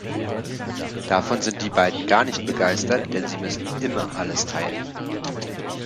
Davon sind die beiden gar nicht begeistert, denn sie müssen „immer“ alles teilen.